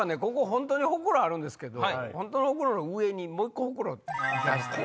本当にホクロあるんですけど本当のホクロの上にもう１個ホクロ足して。